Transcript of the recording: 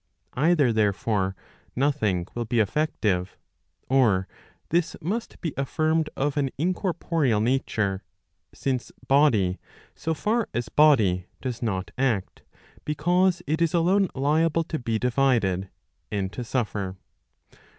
Either, therefore, nothing will be effective, or this must be affirmed of an incorporeal nature, since body, so far as. body, does not act, because it is alone liable to be divided, and to suffer.